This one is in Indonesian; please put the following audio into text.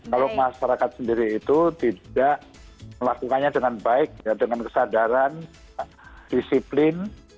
kalau masyarakat sendiri itu tidak melakukannya dengan baik dengan kesadaran disiplin